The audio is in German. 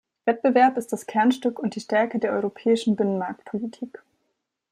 Wettbewerb ist das Kernstück und die Stärke der europäischen Binnenmarktpolitik.